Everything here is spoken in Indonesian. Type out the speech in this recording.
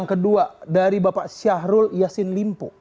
kedua dari bapak syahrul yasin limpu